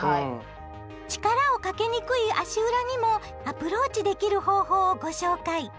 力をかけにくい足裏にもアプローチできる方法をご紹介！